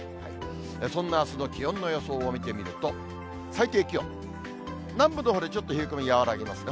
そんなあすの気温の予想を見てみると、最低気温、南部のほうでちょっと冷え込み和らぎますね。